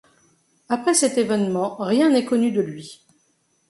Après cet événement, rien n'est connu de lui.